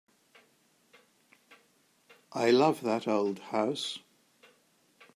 I love that old house.